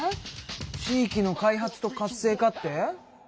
地域の開発と活性化って？